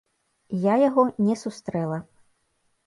Я яго не сустрэла.